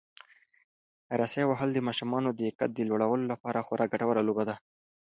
رسۍ وهل د ماشومانو د قد د لوړولو لپاره خورا ګټوره لوبه ده.